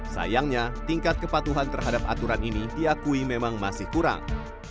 sayangnya tingkat kepatuhan terhadap aturan ini diakui memang masih kurang